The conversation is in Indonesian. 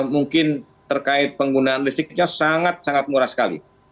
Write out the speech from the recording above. mungkin terkait penggunaan listriknya sangat sangat murah sekali